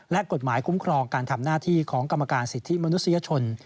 และกฎหมายคุ้มครองการทำหน้าที่ของกรรมการสิทธิมนุษยชน